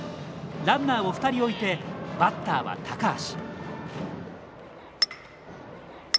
ランナーを２人置いてバッターは高橋。